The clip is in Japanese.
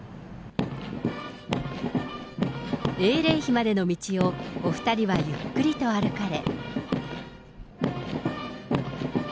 英霊碑までの道をお２人はゆっくりと歩かれ。